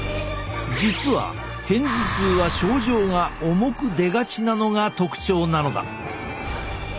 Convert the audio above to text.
実は片頭痛は症状が重く出がちなのが特徴なのだ。